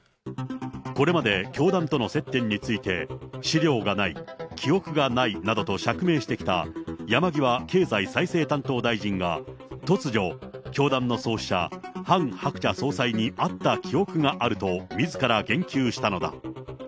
これまで教団との接点について、資料がない、記憶がないなどと釈明してきた山際経済再生担当大臣が、突如、教団の創始者、ハン・ハクチャ総裁に会った記憶があると、みずから言及したのだ。